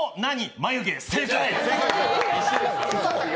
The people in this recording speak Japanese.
眉毛、正解！